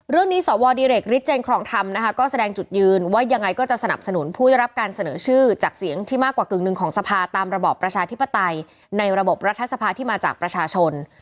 สวดิเรกฤทธเจนครองธรรมนะคะก็แสดงจุดยืนว่ายังไงก็จะสนับสนุนผู้ได้รับการเสนอชื่อจากเสียงที่มากกว่ากึ่งหนึ่งของสภาตามระบอบประชาธิปไตยในระบบรัฐสภาที่มาจากประชาชน